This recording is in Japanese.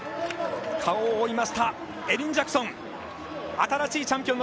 顔を覆いましたエリン・ジャクソン。